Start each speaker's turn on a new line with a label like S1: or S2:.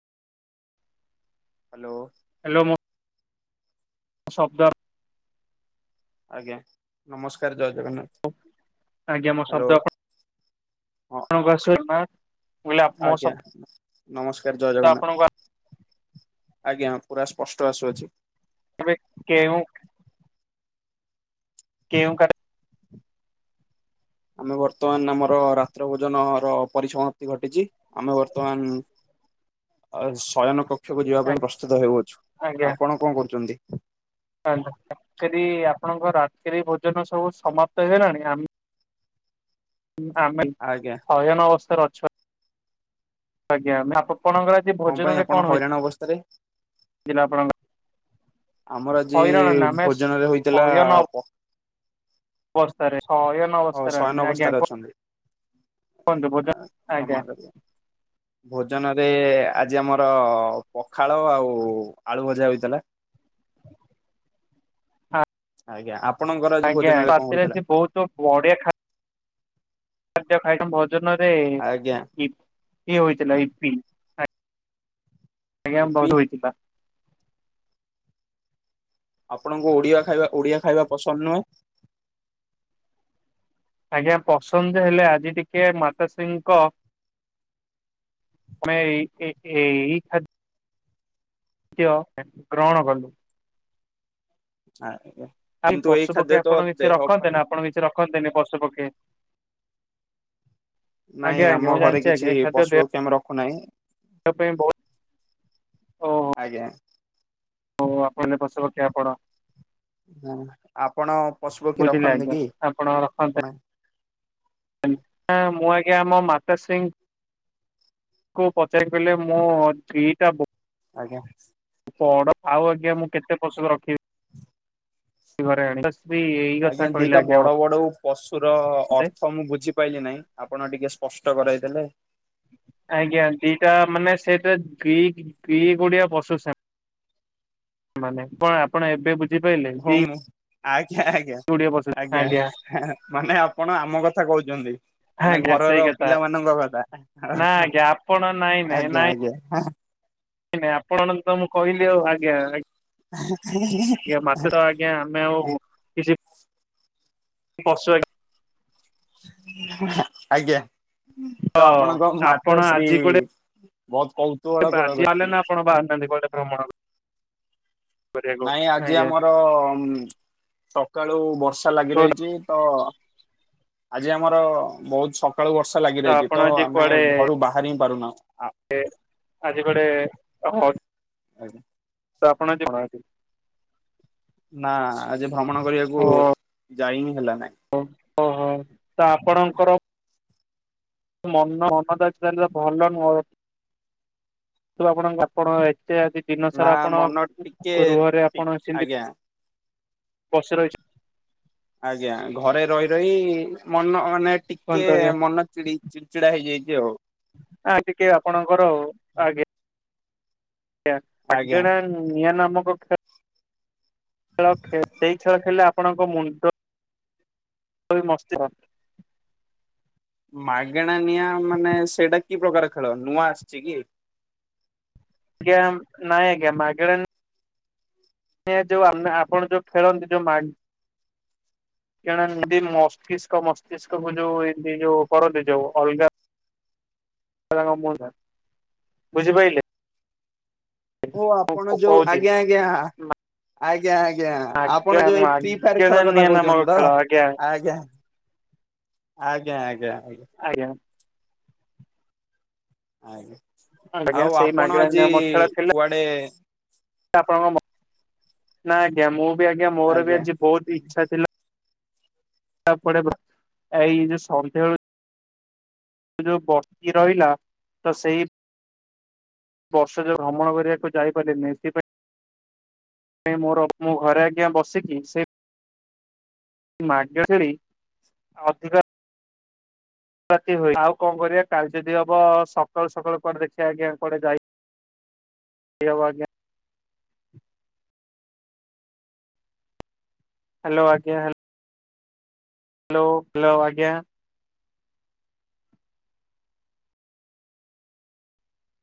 S1: Hello.
S2: Hello ମୋ ଶବ୍ଦ
S1: ଆଜ୍ଞା-ନମସ୍କାର୍ ଜୟ ଜଗନ୍ନାଥ୍।
S2: ଆଜ୍ଞା ମୋ ଶବ୍ଦ ଆପଣ
S1: ହଁ
S2: [unintelligible] କହିଲି ମୋ
S1: ଆଜ୍ଞା
S2: ଶବ୍ଦ
S1: ନମସ୍କାର୍ ଜୟ ଜଗନ୍ନାଥ।
S2: ଆପଣଙ୍କୁ
S1: ଆଜ୍ଞା ପୁରା ସ୍ପଷ୍ଟ ଆସୁଅଛି।
S2: ତେବେ କେଉଁ କେଉଁ କା
S1: ଆମେ ବର୍ତ୍ତମାନ ଆମର ରାତ୍ର ଭୋଜନ ର ପରିସମାପ୍ତି ଘଟିଚି। ଆମେ ବର୍ତ୍ତମାନ୍ ଶୟନ କକ୍ଷକୁ ଯିବା ପାଇଁ ପ୍ରସ୍ତୁତ ହେଉଅଛୁ।
S2: ଆଜ୍ଞା
S1: ଆପଣ କଣ କରୁଚନ୍ତି?
S2: [unintelligible] ଆପଣଙ୍କ ରାତ୍ରିଭୋଜନ ସବୁ ସମାପ୍ତ ହେଇଗଲାଣି ଆମେ ଆମେ
S1: ଆଜ୍ଞା।
S2: ଶୟନ ଅବସ୍ଥାରେ ଅଛ ଆଜ୍ଞା ଆପଣଙ୍କର [unintelligible]
S1: କଣ ପାଇଁ ଆପଣ ହଇରାଣ ଅବସ୍ଥାରେ
S2: [unintelligible] ଆପଣଙ୍କ
S1: ଆମର ଆଜି
S2: ଆମେ
S1: ଭୋଜନରେ ହୋଇଥିଲା
S2: ଶୟନ
S1: ପ
S2: ବସ୍ତାରେ ଶୟନ ଅବସ୍ଥାରେ
S1: ଶୟନ
S2: ଆମେ ଆଜ୍ଞା
S1: ଅବସ୍ଥାରେ
S2: କ
S1: ଅଛନ୍ତି।
S2: ଆଜ୍ଞା
S1: [inaudible] ଭୋଜନ ରେ ଆଜି ଆମର ପଖାଳ ଆଉ ଆଳୁ ଭଜା ହୋଇଥିଲା। ଆଜ୍ଞା ଆପଣଙ୍କର ଆଜି
S2: ଆଜ୍ଞା
S1: ଭୋଜନ ରେ କଣ
S2: ରାତିରେ
S1: ହେଇଥିଲା?
S2: [unintelligible] [unintelligible] ଇପି ଆଜ୍ଞା
S1: ଆଜ୍ଞା ଇପି
S2: ବହୁତ ହୋଇଥିବା।
S1: ଆପଣଙ୍କୁ ଓଡ଼ିଆ ଖାଇବା ଓଡ଼ିଆ ଖାଇବା ପସନ୍ଦ ନୁହେଁ।
S2: ଆଜ୍ଞା ପସନ୍ଦ ଯେ ହେଲେ ଆଜି ଟିକେ ମାତାଶ୍ରୀଙ୍କ ମାନେଇଇ ଏଇ ଖା ଗ୍ରହଣ କଲୁ।
S1: ଆ
S2: ଆ ପଶୁ ପକ୍ଷୀ ଆପଣ କିଛି ରଖନ୍ତେ ନା ଆପଣ କିଛି ରଖନ୍ତେନି ପଶୁ ପକ୍ଷୀ ଆଜ୍ଞା
S1: ନାଇଁ
S2: ଆଜ୍ଞା
S1: ଆମ
S2: ମୁଁ
S1: ଘରେ
S2: ଜାଣିଛି
S1: କିଛି ପଶୁ ପକ୍ଷୀ ଆମେ ରଖୁନାହିଁ।
S2: ତା ପାଇଁ ବହୁତ
S1: ଆଜ୍ଞା
S2: ହଉ ଆପଣଲେ ପସ ପଖେଇଆ ପଡ଼
S1: ହୁଁ ଆପଣ ପଶୁ ପକ୍ଷୀ
S2: ବୁଝିଲେ
S1: ରଖନ୍ତି
S2: ଆଜ୍ଞା
S1: କି
S2: ଆପଣ
S1: ଆପଣ?
S2: ହଁ ମୁଁ ଆଜ୍ଞା ମୋ ମାତାଶ୍ରୀ କୁ ପଚାରି କିଲେ ମୁଁ ଦିଟା
S1: ଆଜ୍ଞା
S2: ପଡ଼ ଆଉ ଆଜ୍ଞା ମୁଁ କେତେ ପଶୁ ରଖିବି? [unintelligible]
S1: ଆଜ୍ଞା ଦିଟା ବଡ଼ ବଡ଼ ପଶୁ ର
S2: ମତେ।
S1: ଅର୍ଥ ମୁଁ ବୁଝିପାଇଲିନାହିଁ। ଆପଣ ଟିକେ ସ୍ପଷ୍ଟ କରାଇଥିଲେ।
S2: ଆଜ୍ଞା ଦିଟା ମାନେ ସେଇଟରେ ଦି ଦି ଗୁଡ଼ିଏ [unintelligible] ମାନେ କଣ ଆପଣ ଏବେ ବୁ
S1: ହଉ ଆଛା ଆଜ୍ଞା
S2: ଗୁଡିଆ ପଶୁ
S1: ଆଜ୍ଞା। ମାନେ ଆପଣ ଆମ କଥା କହୁଛନ୍ତି। ମାନେ
S2: ଆଜ୍ଞା ସେଇ
S1: ଘରର
S2: କଥା
S1: ପିଲା ମାନଙ୍କ କଥା
S2: ନା ଆଜ୍ଞା ଆପଣ
S1: ଆଜ୍ଞା ଆଜ୍ଞା।
S2: ନାଇ ନାଇଁ ଆପଣଙ୍କୁ ତ ମୁଁ କହିଲି ଆଉ ଆଜ୍ଞା ଆ
S1: [unintelligible]
S2: ଆଜ୍ଞା ଆମେ ଆଉ କିଛି ପଶୁ ଆଜ
S1: ଆଜ୍ଞା
S2: ଆଜ୍ଞା
S1: ତ ଆପଣଙ୍କ
S2: ଆପଣ
S1: ମାତାଶ୍ରୀ
S2: ଆଜି କୁଆଡେ
S1: ବହୁତ କୌତୁହାଳ ବ
S2: ଆଜି ବାହାରିଲେ
S1: ବ୍ୟକ୍ତି।
S2: ନା ଆପଣ ବାହାରିନାହାନ୍ତି କୁଆଡେ ଭ୍ରମଣ କରିବାକୁ
S1: ନାଇଁ ଆଜି
S2: ଆଜ୍ଞା
S1: ଆମର ସକାଳୁ ବର୍ଷ ବର୍ଷା ଲାଗି
S2: କୁହନ୍ତୁ
S1: ରହିଛି ତ ଆଜି ଆମର ବହୁତ ସ ସକାଳୁ ବର୍ଷା ଲାଗି ରହିଛି
S2: ଆପଣ
S1: ତ
S2: ଆଜି
S1: ଆମେ
S2: କୁଆଡେ
S1: ଘରୁ ବାହାରି ହିଁ ପାରୁନାହୁ।
S2: ଆଜି କଡେ
S1: ଆଜ୍ଞା
S2: [unintelligible]
S1: ନା ଆଜି ଭ୍ରମଣ କରିବାକୁ ଯାଇ ବିି ହେଲା ନାଇଁ।
S2: ଓ ହୋ ତ ଆପଣଙ୍କର ମନ ମନ ଦଖି ତାଲେ ଭଲ ନୁହଁ। ଆପଣ ଆପଣ ଏତେଦି ଜିନ
S1: ନା
S2: ସାରା ଆପଣ
S1: ମନ ଟିକେ
S2: ଗୃହରେ ଆପଣ ସେମତି
S1: ଆଜ୍ଞା
S2: ବସି ରହିଛି।
S1: ଆଜ୍ଞା ଘରେ ରହି ରହି ମନ ମାନେ
S2: କୁହନ୍ତୁ
S1: ଟିକେ
S2: ଆଜ୍ଞା
S1: ମନ ଚିଡି ଚିଡ଼ି ଚିଡ଼ା ହେଇଯାଇଚି ଆଉ।
S2: ଆ ଟିକେ ଆପଣଙ୍କର ଆଜ୍ଞା [unintelligible]
S1: ଆଜ୍ଞା
S2: ହୁଁ ନିଆଁ ନାମକ [unintelligible] ଖେଳେ ସେଇ ଖେଳ ଖେଲେ ଆପଣଙ୍କ ମୁଣ୍ଡ ମସ୍ତି ର
S1: ମାଗେଣା ନିଆଁ ମାନେ ସେଇଟା କି ପ୍ରକାର ଖେଳ ନୂଆ ଆସିଛି କି?
S2: ଜ୍ଞା ନାଇଁଜ୍ଞା ମାଗଣା ଏ ଯୋଉ ଆପଣ ଯୋଉ ଫେଳନ୍ତି ଯଉ ମାଗ କଣ ଏ ମସ୍ତିଷ୍କ ମସ୍ତିଷ୍କ କୁ ଯୋଉ ଏ ଯୋଉ କରନ୍ତି ଯୋଉ ଅଲଗା [unintelligible] ବୁଝିପାରିଲେ ମୁ କହୁଛି।
S1: ଜ୍ଞା। ଆଜ୍ଞା ଆଜ୍ଞା ଆପଣ
S2: ମାଗେଣା
S1: ଯୋଉ ଏଇ ଫି ଫାର
S2: ମାଗେଣା
S1: ଖେଳ କଥା
S2: ନିଆଁ ନାମକ
S1: କହୁଛନ୍ତି ତ
S2: ଖେଳ ଆଜ୍ଞା
S1: ଆଜ୍ଞା। ଆଜ୍ଞା ଆଜ୍ଞା।
S2: ଆଜ୍ଞା। ଆଜ୍ଞା
S1: ଆଉ
S2: ସେଇ
S1: ଆପଣ
S2: ମାଗଣା
S1: ଆଜି
S2: ମୋ ଖେଳ ଥିଲା
S1: କୁଆଡେ
S2: ଆପଣଙ୍କ ନା ଆଜ୍ଞା ମୁଁ ବି ଆଜ୍ଞା ମୋର ବି ଆଜି ବହୁତ ଇଚ୍ଛା ଥିଲା ତାପ ଏଇ ଯୋଉ ସନ୍ଧ୍ୟାବେଳୁ ଯୋଉ ବସି ରହିଲା ତ ସେଇ ବର୍ଷ ଯୋଉ ଭ୍ରମଣ କରିବାକୁ ଯାଇପାରିଲିନି ସେଥିପାଇଁ ସେ ମୋର ମୁଁ ଘରେ ଆଜ୍ଞା ବସିକି ସେ ମାଗଣାରେ ଅଧିକା ତି ହୁ ଆଉ କଣ କରିବା କାଲି ଯଦି ହବ ସକାଳୁ ସକାଳୁ କଆଡ ଦେଖିବା ଆଜ୍ଞା କଆଡେ ଯାଇ। ଇଏ ଆଉ ଆଜ୍ଞା। ହ୍ୟାଲୋ ଆଜ୍ଞା ହେ ହ୍ୟାଲୋ ହ୍ୟାଲୋ ଆଜ୍ଞା।